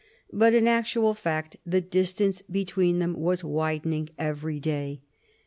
But in actual fact the distance between them was widening every day.